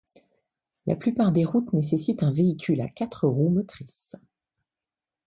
La plupart des routes nécessitent un véhicule à quatre roues motrices.